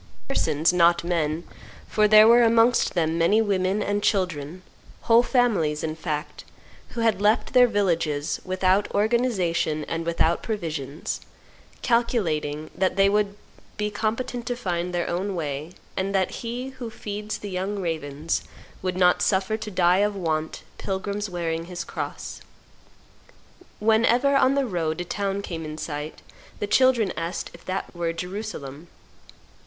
Persons, not men, for there were amongst them many women and children, whole families, in fact, who had left their villages, without organization and without provisions, calculating that they would be competent to find their own way, and that He who feeds the young ravens would not suffer to die of want pilgrims wearing His cross. Whenever, on their road, a town came in sight, the children asked if that were Jerusalem.